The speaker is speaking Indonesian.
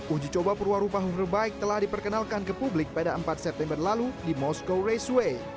uji coba perwarupa huverbike telah diperkenalkan ke publik pada empat september lalu di moskow raceway